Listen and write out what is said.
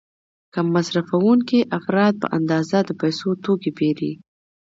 کم مصرفوونکي افراد په اندازه د پیسو توکي پیري.